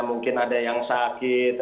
mungkin ada yang sakit